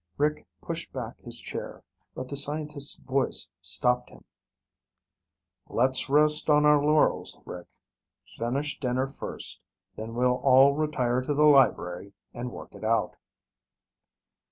Rick pushed back his chair, but the scientist's voice stopped him. "Let's rest on our laurels, Rick. Finish dinner first, then we'll all retire to the library and work it out."